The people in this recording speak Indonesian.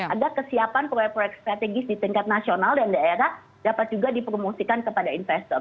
agar kesiapan proyek proyek strategis di tingkat nasional dan daerah dapat juga dipromosikan kepada investor